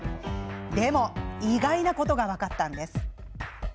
でも意外なことが分かったんです。